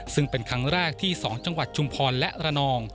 ซึ่งเป็นครั้งแรกที่๒จังหวัดชุมพรและระนอง